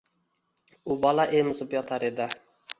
U bola emizib yotar edi